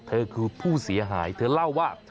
เธอคือผู้เสียหายเธอเล่าว่า